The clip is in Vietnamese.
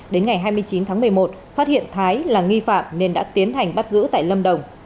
đến ngày hai mươi chín tháng một mươi một phát hiện thái là nghi phạm nên đã tiến hành bắt giữ tại lâm đồng